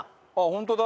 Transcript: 本当だ！